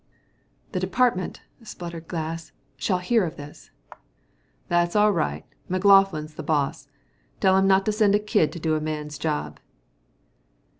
"The department," spluttered Glass, "shall hear of this." "That's all right. McLaughlin's the boss. Tell 'em not to send a kid to do a man's job."